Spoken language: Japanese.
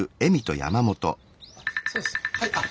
そうですはいあっ